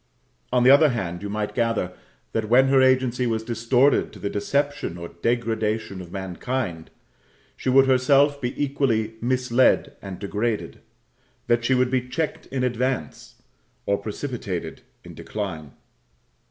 On the other hand, you might gather, that when her agency was distorted to the deception or degradation of mankind, she would herself be equally misled and degraded that she would be checked in advance, or precipitated in decline.